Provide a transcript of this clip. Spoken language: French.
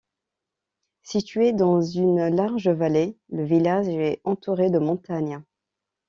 Situé dans une large vallée, le village est entouré de montagnes.